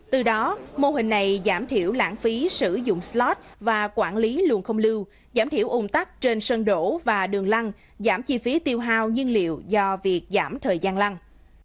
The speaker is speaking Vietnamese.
từ đó mô hình này giảm thiểu lãng phí sử dụng slot và quản lý luồng không lưu giảm thiểu ủng tắc trên sân đổ và đường lăng giảm chi phí tiêu hao nhiên liệu do việc giảm thời gian lăng